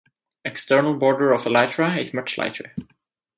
External border of elytra is much lighter.